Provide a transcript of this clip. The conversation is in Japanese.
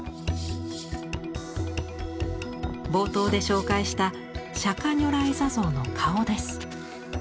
冒頭で紹介した釈如来坐像の顔です。